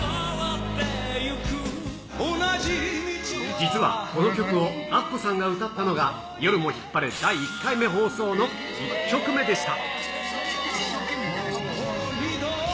実はこの曲をアッコさんが歌ったのが、夜もヒッパレ第１回目放送の１曲目でした。